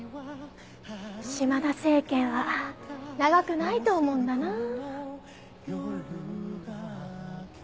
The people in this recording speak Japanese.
島田政権は長くないと思うんだなぁ。